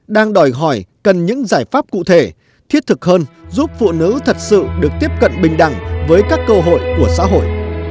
đang đòi hỏi cần những giải pháp cụ thể thiết thực hơn giúp phụ nữ thật sự được tiếp cận bình đẳng với các cơ hội của xã hội